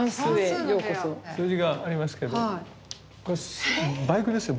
数字がありますけどこれバイクですよ